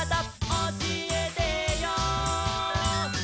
「おしえてよ」